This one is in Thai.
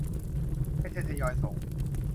ไม่ใช่ทยอยส่ง